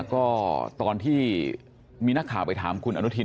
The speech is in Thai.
ก็ตอนที่มีนักข่าวไปถามคุณอนุทิน